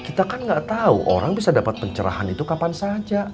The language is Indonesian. kita kan nggak tahu orang bisa dapat pencerahan itu kapan saja